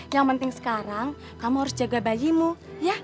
yang penting sekarang kamu harus jaga bayimu ya